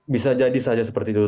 bisa jadi saja seperti itu